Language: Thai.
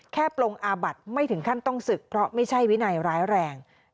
ปลงอาบัติไม่ถึงขั้นต้องศึกเพราะไม่ใช่วินัยร้ายแรง